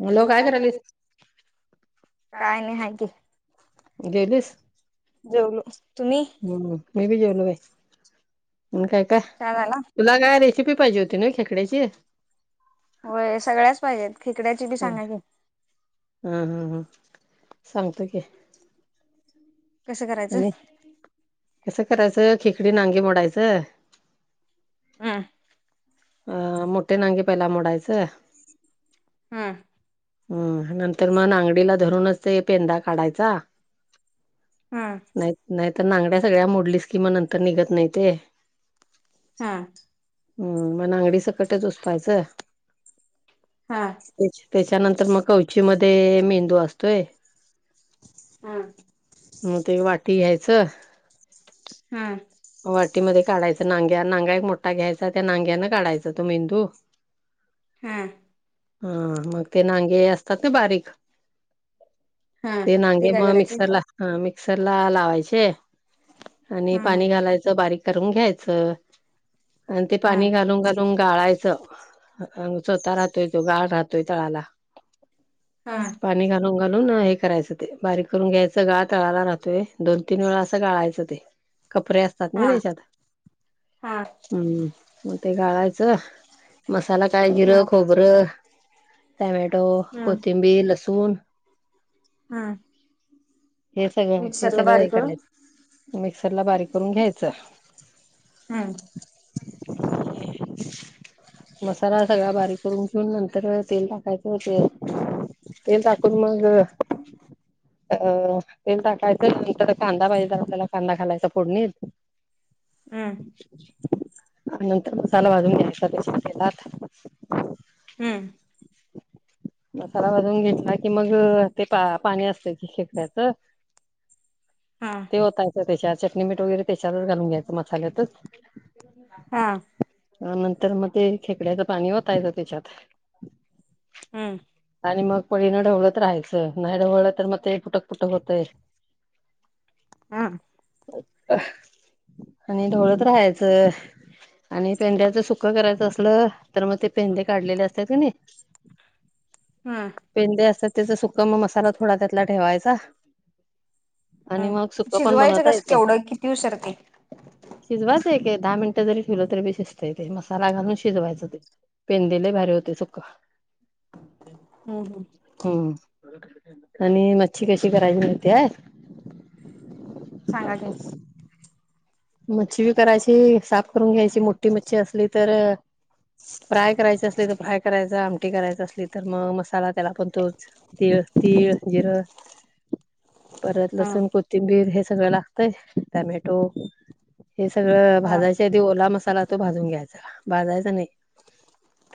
Hello काय करायलीस? काय नाही आहे की जेवलीस जेवलो तुम्ही हम्म मी बी जेवलो बाई म काय, काय च्या झाला तुला काय रेसिपी पाहिजे होती ना खेकड्याची होय सगळ्याच पाहिजेत खेकड्याची बी हा सांगा की हा हां ह, सांगत की. कसं करायचं? आणि कसं करायचं, खिकडी नांगे मोडायचं. अम्म अ मोठे नांगे पहिला मोडायचं. हम्म. हम नंतर मग नांगडीला धरूनच ते पेंदा काढायचा हम्म नाही नाहीत नागड्या सगळ्या मोडलीस किमा नंतर निघत नाही ते हां. ह म नाअंगडी, सकटच उसपायचं. हा. तेच त्याच्यानंतर म कवची मध्ये मेंदू असतोय. हां. म, ते वाटी घ्यायचं. हा. वाटीमध्ये काढायच, नांग्या नांग्या एक मोठा घ्यायचा त्या नांग्यान काढायच तो, मेंदू. हां. हा, मगं ते नांगे असतात ना बारीक. हा ते नांगे काय म करायचे मिक्सरला मिक्सरला लावायचे, आणि हा हा पाणी घात. त्याचा बारीक करून घ्यायच आणि ते हा पाणी घालून घा मगं गाळायचं, अ स्वतः राहतोय तो गाळ राहतोय तळाला. हा पाणी घालून घालून हे करायचं ते बारीक करून घ्यायचं गाळ तळाला राहतोय दोन तीन वेळा असं गाळायचं ते. कपडेे असतात, नाही हा त्याच्यात हा हम्म. मग ते गाळायचं, मसाला कायजिरं हा खोबरं. टमॅटो, कोथिंबीर, लसूण. हा. हे सगळं, हे मिक्सरला सगळं, हे बारीक करून करायचं मिक्सर ला बारीक. हेचा [unintelligible] मसाला सगळा बारीक करून घेऊन, नंतर तेल टाकायचं. हो ते ते टाकून मगं अ तेल टाकायचं, नंतर कांदा पाहिजे आपल्याला कांदा खालायचा. फोडणी हम. आ नंतर, मसाला भाजून न घला हम्म. मसारा वाजवून घेतला की, मग ते पा पाणी असत कि शेकड्याचं. हा. ओतायचा त्याच्यावर चटणी, मीठ वगैरे त्याच्यातच घालून घ्यायचं मसाल्यातच हा अ नंतर मग ते, खेकड्याचं पाणी ओतायच त्याच्यात. हम. आणि मग पळीन ढवळत राहायचं, नाही ढवळलं तर मग ते फुटक फुटक होतय. हा. आणि ढोळत राहायचं. आणि पेंढ्याच सुखं करायचं असलं, तर मग ते पेंढे काढलेले असतात का नाही. हम. पेंदे असतात त्याचा सुका म मसाला थोडा त्यातला ठेवायचा. हा आणि मग, सुका पण शिजवायचं बनवता कसं येत. केवढं किती उशीर ते शिजवायचं आहे काय दहा मिनिटं जरी, ठेवलं तरी शिजतय ते मसाला घालून शिजवायचं ते. पेंदे लय भारी होते, सुखा. हम्म हम्म हम्म, आणि मच्छी कशी करायची मिळते आहे. सांगा की मच्छी बी करायची. साफ करून घ्यायची मोठी मच्छी असली तर, फ्राय करायची असली तर, फ्राय करायचा आमटी करायचं असली तर मग मसाला. त्याला पण तोच तीळ तीळ, जिरं परत हा लसूण, कोथिंबीर हे सगळं लागतंय टमॅटो हे सगळं हा भाजायच्या आधी. ओला मसाला तो भाजून घ्यायचा, भाजायचा नाही.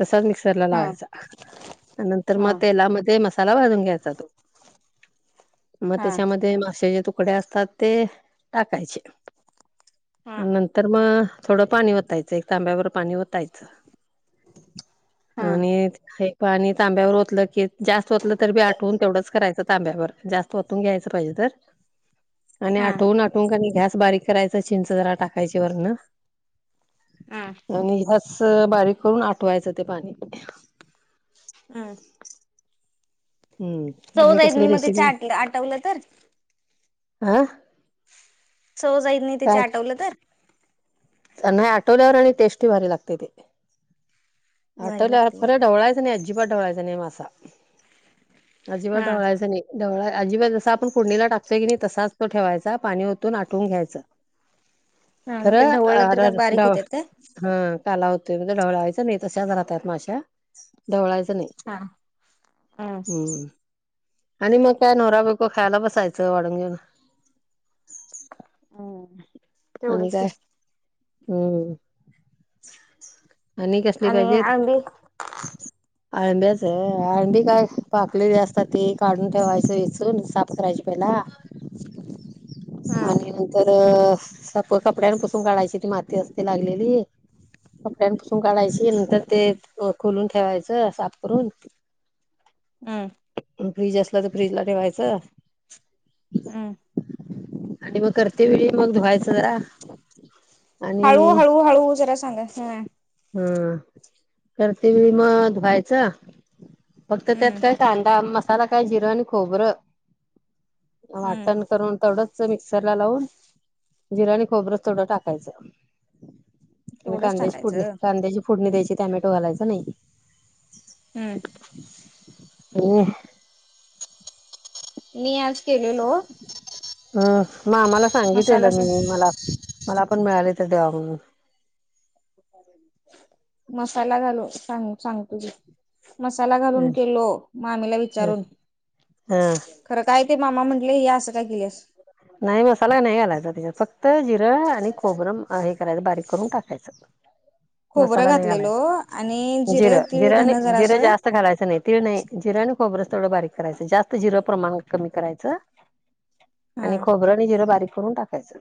तसाच मिक्सरला हा लावायचा नंतर हा मग तेलामध्ये मसा त्याला भाजून घ्यायचा तो म हा त्यामध्ये मासाचे तूप कुडे असतात ते टाकायचे. हा नंतर मग थोडं पाणी वतायचं, एक तांब्यावर पाणी वतायचं. हा आणि हे पाणी तांब्यावर ओतलं की जास्त ओतलं तर बी आठवून तेवढंच करायचं, तांब्यावर जास्त होतून घ्यायचं पाहिजे तर. आणि हा आठवून आठवून कानी गॅस बारीक करायचं चिंच जरा टाकायची वरण. आं आणि हसं बारीक करून, आठवायचं ते पाणी. आं हम्म. चव आणि जात कसली नाही, मग तिची आटवल तर. हां. सव जाईत नाही तिचे आठवलं तर [unintelligible] आठवल्यावर आणि टेस्टी भारी लागते ते. भारी आठवल्या लागते खरं ढवळायचं नाही. अजिबात ढवळायचा नाही, मासा अजिबात हा ढवळायचा नाही. डवळा अजिबात जसा आपण पुडणीला टाको की नाही तसाच तो ठेवायचा. पाणी ओतून आठवून घ्यायचं हा मग ते खरंड ढवळलं आ तर का राज बारीक डावा. होत्यात काय हा काला होतो म्हणजे ढवळायचं नाही तशाच राहतात माश्या ढवळायचं नाही. हा हा हम्म. आणि मग काय नवरा बायको खायला बसायचं, वाढून घेऊन. हम्म. आणि काय हम्म. आणि कसली पाहिजेत. हा अंडयाचा आहे आंडी काय पाकलेली असतात ती काढून ठेवायच वेचून साप करायची पहिला हा आणि नंतर साप कपड्यांपसून काढायची ती माती असते लागलेली. कपड्यांपसून काढायची नंतर ते खुोलून ठेवायचं साफ करून उम्म फ्रीज असलं तर, फ्रीज ला ठेवायचं. हम्. आणि मग करते वेळी, मग धुवायचं जरा. हळू आणि हळू हळू जरा सांगायचा आहे. हं. करते वेळी मग धुवायचं. फक्त त्यात हम्म काय कांदा मसाला काय जिरं आणि खोबरं हम्म वाटण करून तेवढंच मिक्सर ला लावून, जिरा आणि खोबरं चं तेवढं टाकायचं. आणि तेवढंच कांद्याची फोडणी टाकायचं कांद्याची फोडणी द्यायची, टोमॅटो घालायच नाही. हम्म. हो. मी आज केलेलो. हम्म म आम्हाला सांगितलेलं मसाला मी मला मला पण मिळाले तर देवा म्हणून. मसाला घालो सांग सांग तुझी मसाला घालून केलो, मामीला विचारून. हा खरं काय ते मामा म्हटले हे असं काय केल्यास? नाही मसाला नाही घालायचा, त्याच्या फक्त जिरं आणि खोबरम हे करायचं बारीक करून टाकायचं. खोबरं मसाला नाही घातलेलो घालायचा आणि जिरे तीळ, धन जरा असं. तस घालायचं नाय. ति नाही, जिरंण खोबरच तेवढडं बारीक करायचं जास्त जिरं प्रमाण कमी करायचं हा आणि खोबरं आणि जिरं बारीक करून टाकायचं.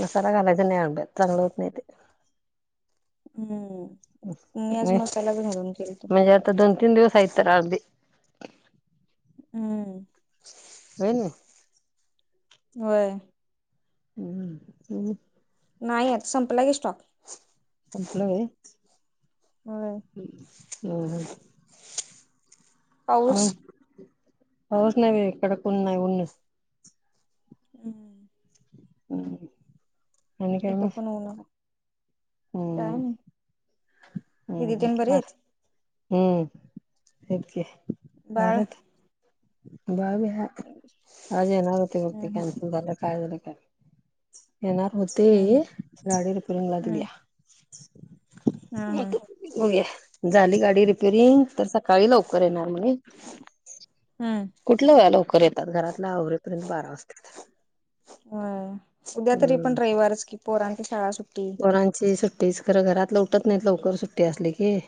मसाला घालायचा नाही, आणब्यात चांगलं होत नाही ते. हम्म, मी आज मसालाच घालून केली. मज आता, दोन तीन दिवस यतार अगदी हम् हो नाही होय. [inaudible] नाही येत, संपला की स्टॉक संपलं आहे, होय ह ह. हम, पाऊस हवस नाही एकड नाही उन [inaudible] [inaudible] आणि काय इत मग पणऊन. हम्म दिदी हम् तेन बरी ह ब. आहेत हम्मके, बाळ भारत बावी हे. अजे नावर त बते हम्म कॅनसल झाला, काय झालं काय. मग ते, हम्म गाडी रिपेरिंग ला दिली हम्म हम्म आहेत. झाली गाडी रिपेरिंग तर, सकाळी लवकर येणार मी. हम्म कुठल्या वे लवकर येतात, घरातल्या आवरपर्यंत बारा वाजतात. अ उद्या तरी पण, हम्म रविवारच कि पोरांची शाळा सुट्टी मुलांचे सुट्टी खरं घरात ल उठत नाही लवकर, सुट्टी असली की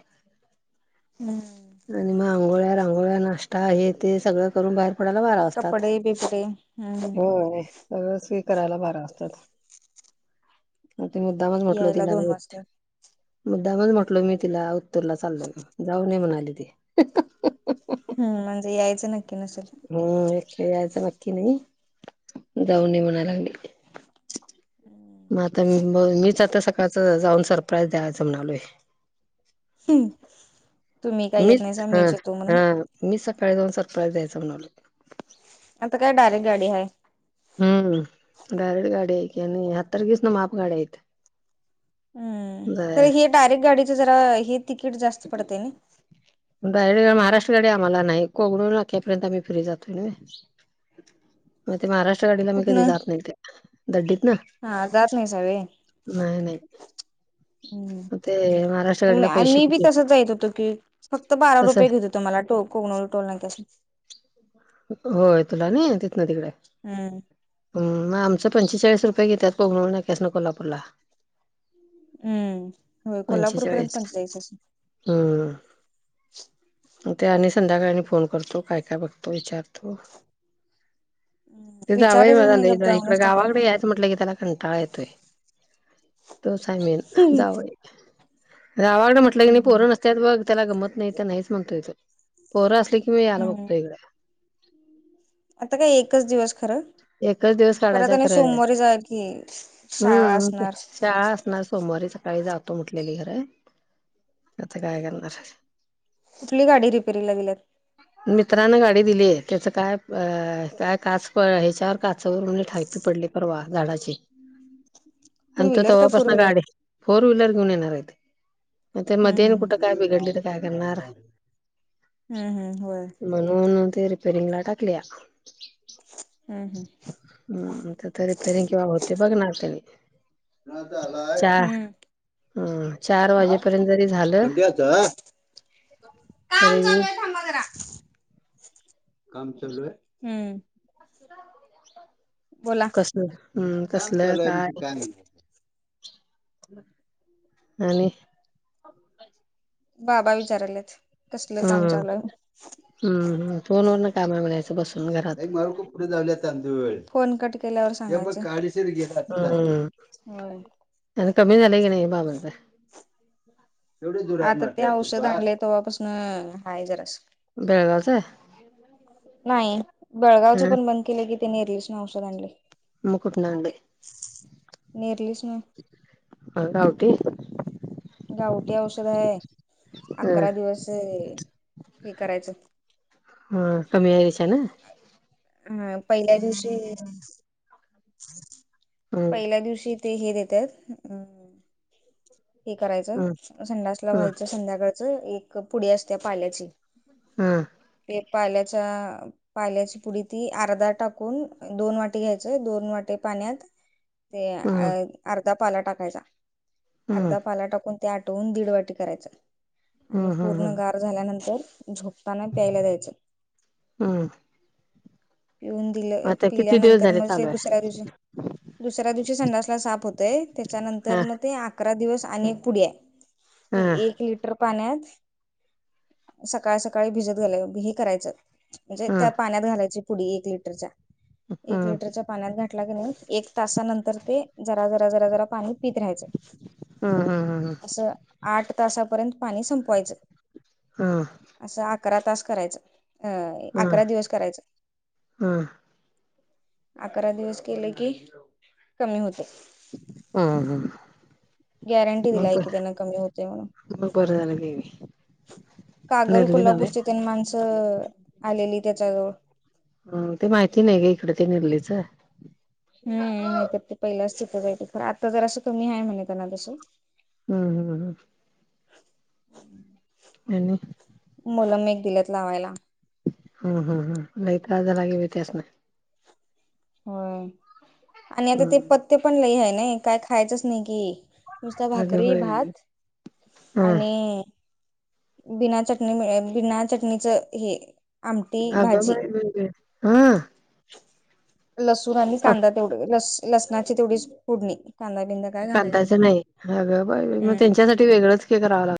हम्. आणि मग आंघोळ्या रांगोळ्या, नाश्ता आहे ते सगळं करून बाहेर आपल्याला बारा वाजतात, कपडे बिपडे हम्म हो सगळं व्यवस्थित करायला बारा वाजतात. ते मुद्दामून म्हटल, यायला तिला दोन मी. वाजते मुद्दामच म्हटलो मी तिला उत्तरला चाललोय म्हणून, जाऊ ये म्हणाली ती. हम् म्हणजे, यायचं नक्की नसेल हम एक यायचं नक्की नाही, जाऊन ये म्हणायल लागली. मग आता म मीच आता सकाळच, जाऊन सरप्राईज द्यायचं म्हणालोय. तुम्ही काय येत नाहीसा, हा मीच येतोय हा म्हणून मी सकाळी जाऊन, सरप्राईज द्यायं म्हंटलं. आता काय, डायरेक्ट गाडी आहे. हम्म डायरेक्ट गाडी्या, आहे की आणि हतारखीस ना मापगाड्या आहेत. हम्म तर जाय हे डायरेक्ट गाडीच जरा, हे तिकीट जास्त पडते नी. महाराष्ट्र गाडी आम्हाला नाही, कोड्यापर्यंत आम्ही फ्री जातोय. म ते महाराष्ट्र गाडीला मी कधी कुठनं जात नाही, ते दडडीत ना हा अजात नाहीसा होय? नाही नाही मग ते महाराष्ट्र हम् गाडीला आणि पैसे मी बी, किती तसच येत होतो की. फक्त बारा तसं रुपये घेत होतो मला, टोल कोकण टोल नाही त्या असून होय, तुला नाही तथ ना तिकडे. हम्म. आमं पंचेचाळीस रुपये घेतात, कबनूर नाक्यासनं कोल्हापूरला. हम्. पंचेचाळीस हम्म. मग ते आणि संध्याकाळनी फोन करतो, काय काय बघतो विचारतो. हो. हम्म, ते जावई विचारायचं मला नाही गप [unintelligible] इकड जाऊनच टाकाय गावाकडे याच अस म्हटलं की त्याला कंटाळा येतोय. तो सांगेल हम्म जावई गावाकडं म्हटलं की नाही पोर नसत्यात बघ त्याला गमत नाही इथं नाहीच म्हणतोय त्यो. पोरं असली की, मी यायला हम्म बघतो इकडे. आता काय एकच दिवस खर एकच दिवस परत काढायचा आणि खरं सोमवारी जाईल कि शाळा हम्म असणार. शाळा असणार सोमवारी सकाळी जातो म्हटलेली खरं. आता काय करणार. कुठली गाडी रिपेरीला गेल्यात? मित्रांन गाडी दिली त्याचं काय अ काय काच पळ त्यावर काचवर उलट हायपी पडली परवा झाडाची. टू आणि त्यो व्हीलर का फोर तवापासंन व्हीलर गाडी फोर व्हीलर घेऊन येणार हायत. मग ते मध्ये हम्म आणि कुठं हम्म काय बिघडली तर काय करणार? हम्म हम्म होय म्हणून ते रिपेरिंगला टाकल्या. हम्म हम्म. हम्म आता ते रिपेरिंग कवा होतंय बघणार तेनी. हम्म. हम्म चार हा? वाजेपर्यंत जरी झालं बंड्याचा काम तरी बी चालू आहे थांबा जरा. काम चालू आहे? हम्म. बोला कसल हम्म काम कसल चालू आहे काय म्हणजे नाही आणि बाबा विचारालेत. हम्म हम्म. फोनवरनं काम बघायचं बस. फोन कट केल्यावर सांगायचं. होय. तेन कमी झालंय की नाही बाबांच? आता ते औषध आणलय, तेव्हापासून हाय जरास. बेळगावच नाही बेळगावच हा पण बंद केलं की त्यांनी [unintelligible] नं औषध आणलंय. मग कुठंन आणलंय? नेरलीसन पण गावटी गावटी औषध आहे. ह अकरा दिवस हे करायचं हो कमी यायचं ना. हं पहिल्या दिवशी, हम् पहिल्या दिवशी ते हे देत्यात अं हे करायचं, हम् संडासला ह व्हायचं संध्याकाळचं एक पुडी असत्या पाल्याची. हा. ते पाल्याच्या पाल्याची पुडी ती अर्धा टाकून, दोन वाटी घ्यायचं. दोन वाटी पाण्यात ते अ हम् अर्धा पाला टाकायचा. हम् अर्धा पाला टाकून ते आटवून दीड वाटी करायचं आणि हम् हम् पूर्ण हम् गार झाल्यानंतर, झोपताना प्यायला द्यायचं. हम् पिऊन दिलं आता किती दिवस पिल्यानंतर झाले मग ते चालू आहे दुसऱ्या दिवशी दुसऱ्या दिवशी संडासला साफ होतंय. हा त्याच्यानंतरन ते अकरा दिवस आणि एक पुडी हाय. हा ती एक लिटर पाण्यात सकाळ सकाळी भिजत घाल हे करायचं म्हणजे हा त्या पाण्यात घालायची पुडी, एक लिटरच्या! हा एक लिटरच्या पाण्यात घातला कनई एक तासानंतर ते जरा जरा जरा जरा पाणी पीत राहायचं. हम्म हम्म हम्म हम्म. असं आठ तासापर्यंत पाणी संपवायचं ह. असं अकरा तास करायचं, अ हा अकरा दिवस करायचं. हा अकरा दिवस केले की कमी होतात. हम्म हम्म. गॅरंटी दिलाय कि त्यांन कमी होतय म्हणून. मग बरं झालं गे कागल निर्ली नाव कोल्हापूरची तीन माणसं आलेली त्याच्या जवळ. हम्म ते माहिती नाही ग इकडे ते निर्लीचं. हम्म नाहीतर ते पहिलं [unintelligible] आता जरासा कमी आहे म्हणे त्यांना. [unintelligible] हम्म हम्म हम्म. [unintelligible] आणि मलम एक दिल्यात लावायला हम्म हम्म हम्म लई त्रास झालाय की बी त्यासनं. व्हय आणि आता ते हम् पथ्यपण लई हाय नाय, काय खायचंच नई की. नुसता अग भाकरी, बाई भात हा आणि बिना चटणी मि बिना चटणीचं हे आमटी आग भाजी बाई बाई बाई, हा. लसून आणि कांदा तेवढ. लस लसणाची तेवढीच फोडणी. कांदा बिंदा काय घालायच कांद्याच नाही हा गं बाई मग हम्म त्यांच्यासाठी वेगळंच की करावं लाग